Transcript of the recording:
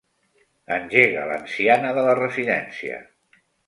Engega l'anciana de la residència.